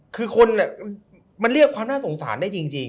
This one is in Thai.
คือคนมันเรียกความน่าสงสารได้จริง